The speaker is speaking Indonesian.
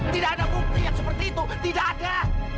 tidak ada bukti yang seperti itu tidak ada